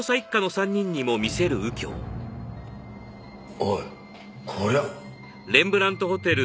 おいこりゃ。